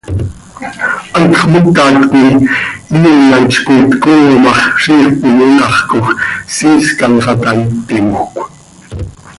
Hantx mocat coi iionatz coi tcooo ma x, ziix cöiyonaxcoj, siiscan xah taa, ittimjöc.